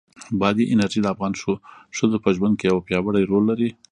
بادي انرژي د افغان ښځو په ژوند کې یو پیاوړی رول لري.